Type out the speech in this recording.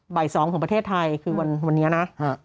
บ่าย๒ของประเทศไทยคือวันนี้นะ